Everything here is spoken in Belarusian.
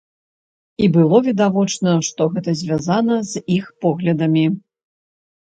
І было відавочна, што гэта звязана з іх поглядамі.